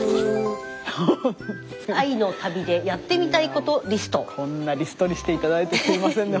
こんなリストにして頂いてすいませんね